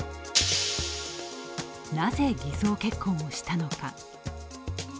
なぜ偽装結婚をしたのか。